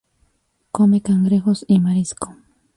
Come cangrejos y marisco.